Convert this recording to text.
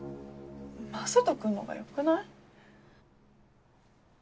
雅人君の方がよくない？